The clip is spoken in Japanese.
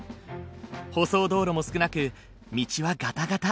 舗装道路も少なく道はガタガタ。